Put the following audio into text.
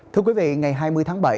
thưa quý vị ngày hai mươi tháng bảy